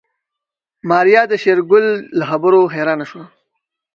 ماريا د شېرګل له خبرو حيرانه شوه.